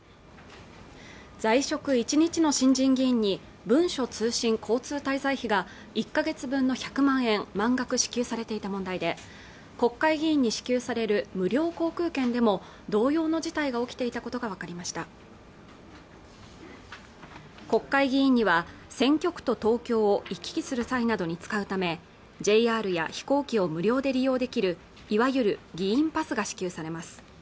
在職１日の新人議員に文書通信交通滞在費が１か月分の１００万円満額支給されていた問題で国会議員に支給される無料航空券でも同様の事態が起きていたことが分かりました国会議員には選挙区と東京を行き来する際などに使うためＪＲや飛行機を無料で利用できるいわゆる議員パスが支給されます